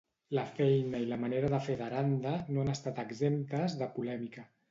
La feina i la manera de fer d'Aranda no han estat exemptes de polèmica.